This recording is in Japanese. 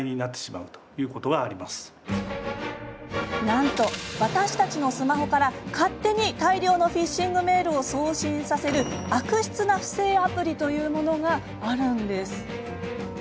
なんと、私たちのスマホから勝手に大量のフィッシングメールを送信させる悪質な不正アプリというものがあるんです。